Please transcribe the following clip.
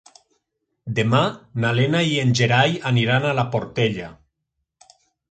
Demà na Lena i en Gerai aniran a la Portella.